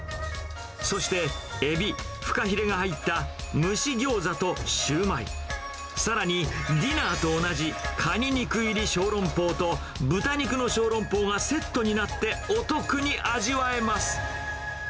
そしてエビ、フカヒレが入った蒸しギョーザとシュウマイ、さらにディナーと同じ蟹肉入り小籠包と豚肉の小籠包がセットになってお得に味わえます。